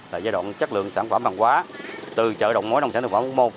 là giai đoạn chất lượng sản phẩm hàng quá từ chợ đồ mối nông sản thực phẩm hốc môn